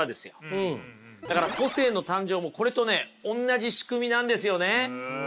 だから個性の誕生もこれとねおんなじ仕組みなんですよね。